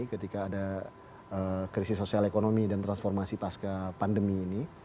ketika ada krisis sosial ekonomi dan transformasi pasca pandemi ini